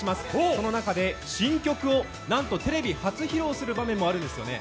その中で新曲をなんとテレビ初披露する場面もあるんですよね。